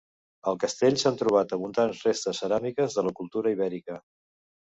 Al castell s'han trobat abundants restes ceràmiques de la cultura ibèrica.